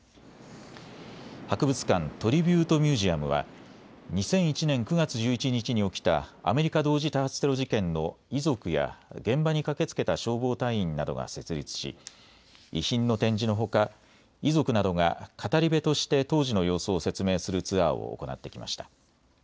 博物館トリビュート・ミュージアムは２００１年９月１１日に起きたアメリカ同時多発テロ事件の遺族や現場に駆けつけた消防隊員などが設立し遺品の展示のほか遺族などが語り部として当時の様子を説明するツアーを行ってきました。